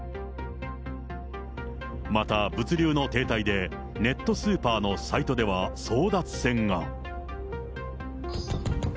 また物流の停滞で、ネットスーパーのサイトでは、争奪戦が。